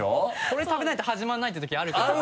これ食べないと始まらないっていう時あるから。